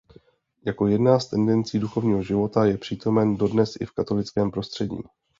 Jako jedna z tendencí duchovního života je přítomen dodnes i v katolickém prostředí.